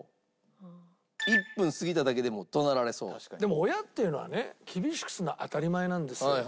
でも親っていうのはね厳しくするの当たり前なんですよ。